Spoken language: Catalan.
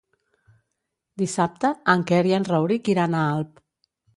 Dissabte en Quer i en Rauric iran a Alp.